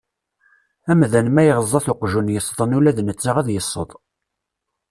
Amdan ma iɣeẓẓa-t uqjun yesḍen ula d netta ad yesseḍ.